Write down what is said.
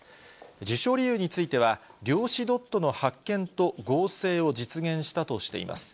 受賞理由については、量子ドットの発見と合成を実現したとしています。